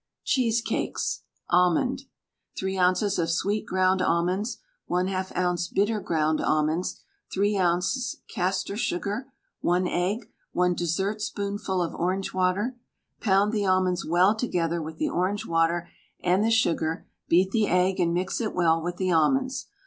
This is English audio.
CHEESECAKES (ALMOND). 3 oz. of sweet ground almonds, 1/2 oz. bitter ground almonds, 3 oz. castor sugar, 1 egg, 1 dessertspoonful of orange water. Pound the almonds well together with the orange water, and the sugar, beat the egg and mix it well with the almonds.